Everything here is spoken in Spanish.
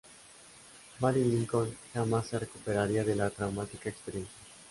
Mary Lincoln jamás se recuperaría de la traumática experiencia.